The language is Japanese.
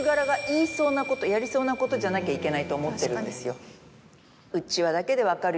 やりそうなことじゃなきゃいけないと思ってるんですよ。